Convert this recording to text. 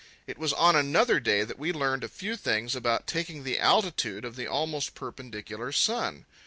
It was on another day that we learned a few things about taking the altitude of the almost perpendicular sun.